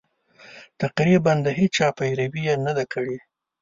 تقریباً د هېچا پیروي یې نه ده کړې.